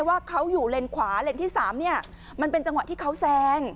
ว่าเขาอยู่เลนขวาเลนที่๓มันเป็นจังหวะที่เขาแซง